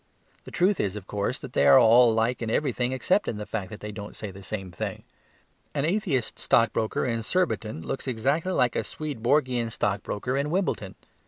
The truth is, of course, that they are alike in everything except in the fact that they don't say the same thing. An atheist stockbroker in Surbiton looks exactly like a Swedenborgian stockbroker in Wimbledon.